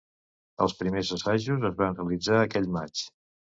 Els primers assajos es van realitzar aquell maig.